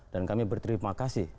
dan kami berterima kasih